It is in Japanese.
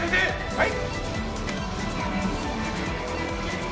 はい！